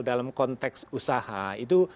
dalam konteks usaha itu